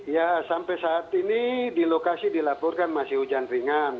ya sampai saat ini di lokasi dilaporkan masih hujan ringan